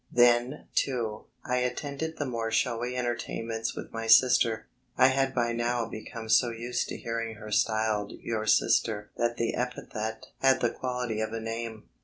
Then, too, I attended the more showy entertainments with my sister. I had by now become so used to hearing her styled "your sister" that the epithet had the quality of a name.